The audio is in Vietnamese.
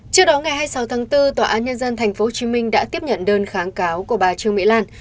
trước đó ngày hai mươi sáu tháng bốn tòa án nhân dân tp hcm đã tiếp nhận đơn kháng cáo của bà trương mỹ lan